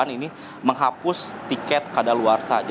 dan ini juga menghapus tiket kadar luar sahaja